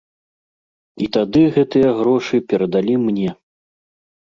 І тады гэтыя грошы перадалі мне.